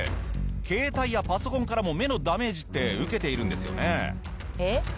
携帯やパソコンからも目のダメージって受けているんですよね？